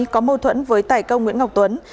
có mâu thuẫn với tài công nguyễn ngọc tuấn